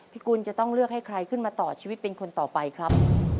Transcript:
กุลจะต้องเลือกให้ใครขึ้นมาต่อชีวิตเป็นคนต่อไปครับ